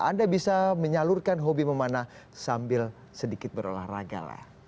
anda bisa menyalurkan hobi memanah sambil sedikit berolahraga lah